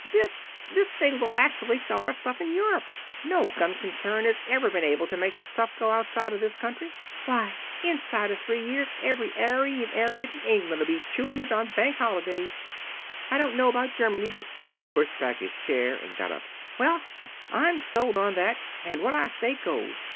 "This this thing will actually sell our stuff in Europe! No gum concern has ever been able to make the stuff go outside of this country. Why, inside of three years every 'Arry and 'Arriet in England'll be chewing it on bank holidays. I don't know about Germany, but " He pushed back his chair and got up. "Well, I'm solid on that. And what I say goes.